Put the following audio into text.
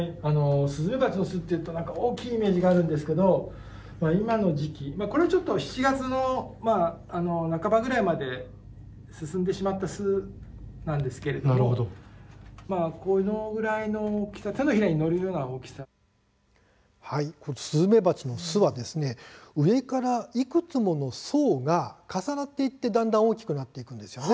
スズメバチの巣っていうとなんか大きいイメージがあるんですけど、今の時期これはちょっと７月の半ばぐらいまで進んでしまった巣なんですけれどこのぐらいの大きさスズメバチの巣は上からいくつもの層が重なって大きくなっていくんです。